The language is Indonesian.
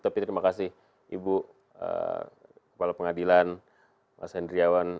tapi terima kasih ibu kepala pengadilan mas hendriawan